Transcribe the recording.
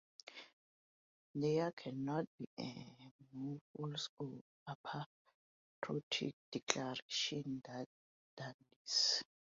There cannot be a more false or unpatriotic declaration than this.